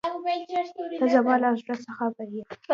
ته زما له زړۀ څه خبر یې.